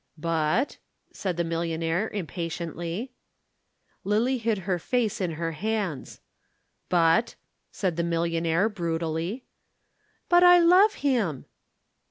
"But " said the millionaire impatiently. Lillie hid her face in her hands. "But " said the millionaire brutally. "But I love him!"